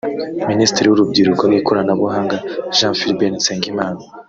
Minisitiri w’urubyiruko n’ikoranabuhanga Jean Philibert Nsengimana